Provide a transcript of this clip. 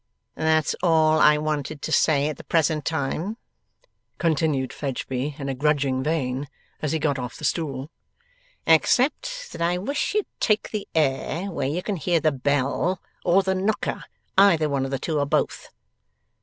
'That's all I wanted to say at the present time,' continued Fledgeby in a grudging vein, as he got off the stool, 'except that I wish you'd take the air where you can hear the bell, or the knocker, either one of the two or both.